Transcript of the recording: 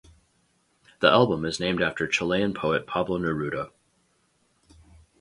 The album is named after Chilean poet Pablo Neruda.